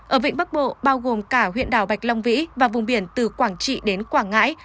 ở vịnh bắc bộ bao gồm cả huyện đảo bạch long vĩ và vùng biển từ quảng trị đến quảng ngãi